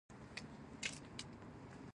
نبي کريم ص وفرمايل له جګړې ارزو مه کوئ.